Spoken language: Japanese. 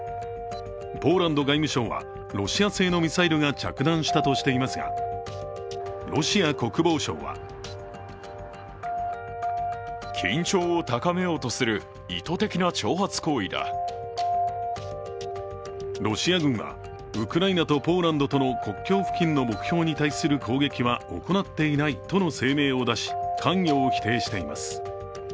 ポーランド外務省は、ロシア製のミサイルが着弾したとしていますが、ロシア国防省はロシア軍はウクライナとポーランドとの国境付近の目標に対する攻撃は行っていないとの声明を出し、関与を否定しています。